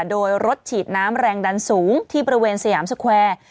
โดยรถฉีดน้ำแรงดันสูงที่บริเวณสยามสแควร์